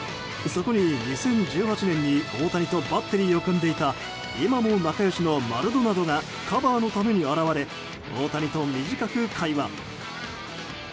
そこに２０１８年に大谷とバッテリーを組んでいた今も仲良しのマルドナドがカバーのために現れ大谷と短く会話。